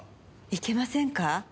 いけませんか？